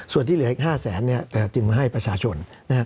ส่วนที่เหลืออีก๕แสนจึงมาให้ประชาชน